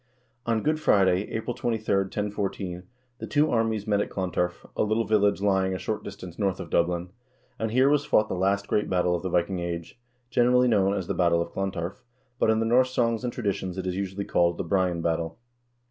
On Good Friday, April 2'.\, 1014, the two armies met at Clontarf, a little village lying a short distance north of Dublin, and here was fought the last great battle of the Viking Age, generally known as the battle of Clontarf, but in the Norse songs and traditions it is usually called the Brian battle.